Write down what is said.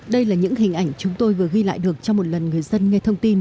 đây là những hình ảnh chúng tôi vừa ghi lại được trong một lần người dân nghe thông tin